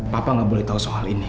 papa nggak boleh tahu soal ini